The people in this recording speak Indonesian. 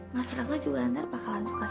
mas serangga juga ntar bakalan suka sama aku